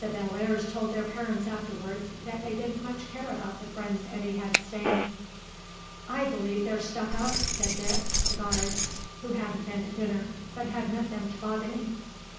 The Bellairs' told their parents afterwards that they didn't much care about the friends Eddy had staying. "I believe they're stuck up," said Dick (the Guards), who hadn't been at dinner, but had met them tobogganing.